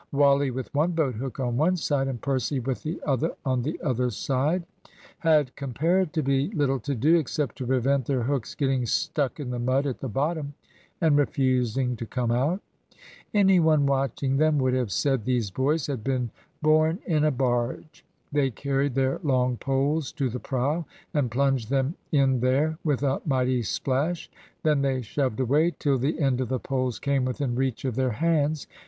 Wally with one boat book on one side, and Percy with the other on the other side, had comparatively little to do except to prevent their hooks getting stuck in the mud at the bottom, and refusing to come out. Any one watching them would have said these boys had been born in a barge. They carried their long poles to the prow, and plunged them in there with a mighty splash. Then they shoved away, till the end of the poles came within reach of their hands.